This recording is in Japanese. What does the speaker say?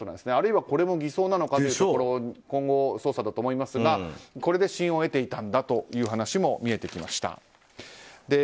あるいは、これも偽装なのか今後の捜査だと思いますがこれで信用を得ていたんだという話も見えてきました。